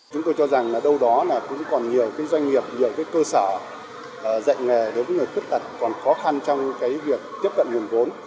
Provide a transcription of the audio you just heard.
chúng tôi cho rằng là đâu đó là cũng còn nhiều cái doanh nghiệp nhiều cái cơ sở dạy nghề đối với người khuyết tật còn khó khăn trong cái việc tiếp cận nguồn vốn